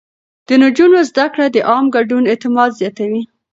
د نجونو زده کړه د عامه ګډون اعتماد زياتوي.